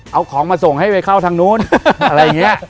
เอาของมาส่งให้ไปเข้าทางนู้นอะไรอย่างนี้